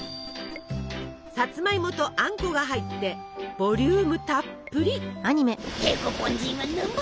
さつまいもとあんこが入ってボリュームたっぷり。